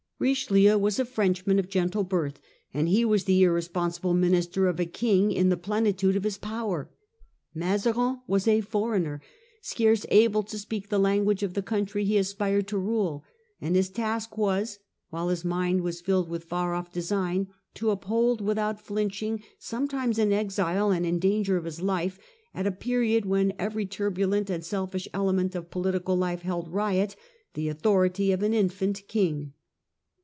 Richelieu was a Frenchman of gentle birth, and he was the irresponsible minister of a King in the plenitude of his power. Mazarin was a foreigner, scarce able to speak the language of the country he aspired to rule, and his task was, while his mind was filled with a far off design, to uphold without flinching, sometimes in exile and in danger of his life, at a period when every turbulent and selfish element of political life held riot, the authority of an infant King.